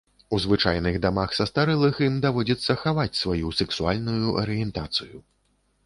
У звычайных дамах састарэлых ім даводзіцца хаваць сваю сэксуальную арыентацыю.